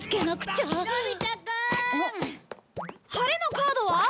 晴れのカードは？